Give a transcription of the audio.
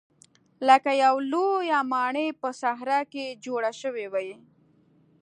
لکه یوه لویه ماڼۍ په صحرا کې جوړه شوې وي.